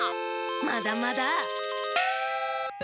まだまだ！